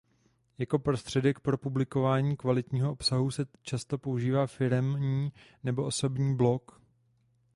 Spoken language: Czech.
Jako prostředek pro publikování kvalitního obsahu se často používá firemní nebo osobní blog.